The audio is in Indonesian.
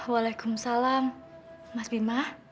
waalaikumsalam mas bima